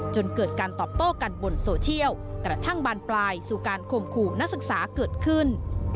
จนเกิดการตอบโต้กันบนโซเชียลกระทั่งบานปลายสู่การข่มขู่นักศึกษาเกิดขึ้น